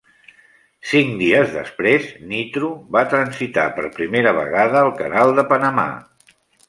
Cinc dies després, "Nitro" va transitar per primera vegada el Canal de Panamà.